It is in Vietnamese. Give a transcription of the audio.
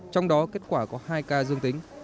trong đó kết quả có hai ca dương tính